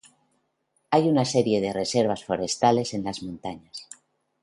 Hay una serie de reservas forestales en las montañas.